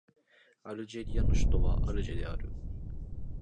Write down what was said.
アルジェリアの首都はアルジェである